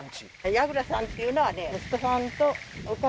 ヤグラさんっていうのはね